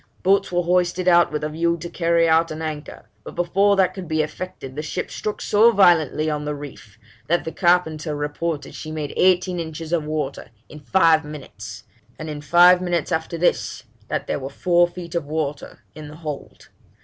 Boats were hoisted out with a view to carry out an anchor, but before that could be effected the ship struck so violently on the reef, that the carpenter reported she made eighteen inches of water in five minutes; and in five minutes after this, that there were four feet of water in the hold.